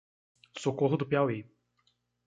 Socorro do Piauí